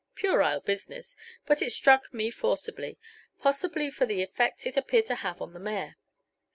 Puerile business, but it struck me forcibly, possibly from the effect it appeared to have upon the mayor.